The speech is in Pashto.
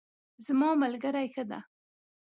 زما ملګری ښه ده